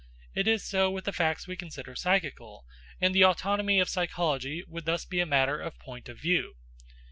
It is so with the facts we consider psychical, and the autonomy of psychology would thus be a matter of point of view.